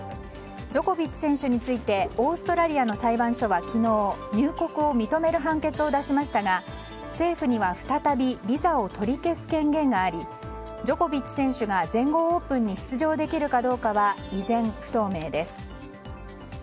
ジョコビッチ選手についてオーストラリアの裁判所は昨日入国を認める判決を出しましたが政府には再びビザを取り消す権限がありジョコビッチ選手が全豪オープンに出場できるかどうかは依然、不透明です。